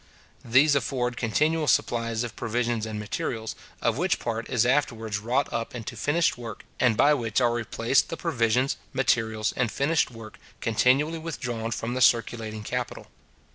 These afford continual supplies of provisions and materials, of which part is afterwards wrought up into finished work and by which are replaced the provisions, materials, and finished work, continually withdrawn from the circulating capital.